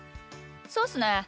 そっすね。